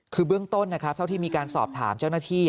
คือเบื้องต้นนะครับเท่าที่มีการสอบถามเจ้าหน้าที่